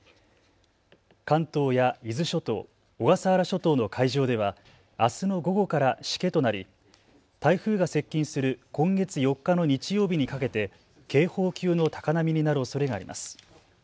関東や伊豆諸島、小笠原諸島の海上ではあすの午後からしけとなり台風が接近する今月４日の日曜日にかけて警報級の高波になるおそれがあります。